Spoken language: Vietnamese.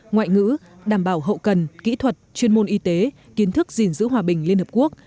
ngoại ngữ đảm bảo hậu cần kỹ thuật chuyên môn y tế kiến thức gìn giữ hòa bình liên hợp quốc